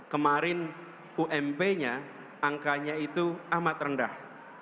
kemarin ump nya angkanya itu amat rendah